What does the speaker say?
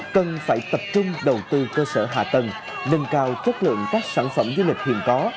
cần phải tập trung đầu tư cơ sở hạ tầng nâng cao chất lượng các sản phẩm du lịch hiện có